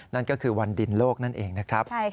นั่นก็คือวันดินโลกนั่นเองนะครับ